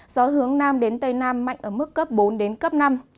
gió hướng nam đến tây nam mạnh ở mức cấp bốn đến cấp năm